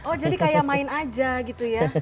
oh jadi kayak main aja gitu ya